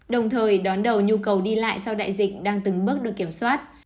đồng thời đón đầu nhu cầu đi lại sau đại dịch đang từng bước được kiểm soát